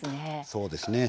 そうですね。